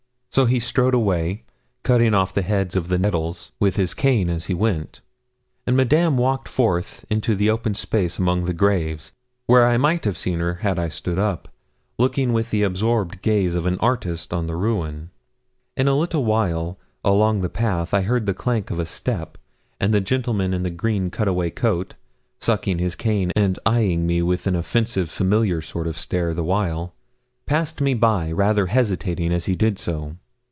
So he strode away, cutting off the heads of the nettles with his cane as he went; and Madame walked forth into the open space among the graves, where I might have seen her, had I stood up, looking with the absorbed gaze of an artist on the ruin. In a little while, along the path, I heard the clank of a step, and the gentleman in the green cutaway coat, sucking his cane, and eyeing me with an offensive familiar sort of stare the while, passed me by, rather hesitating as he did so.